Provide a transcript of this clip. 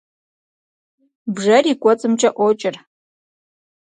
Бжэр и кӏуэцӏымкӏэ ӏуокӏыр.